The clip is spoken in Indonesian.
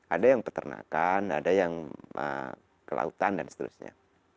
ada yang peternakan ada yang kelautan dan seterusnya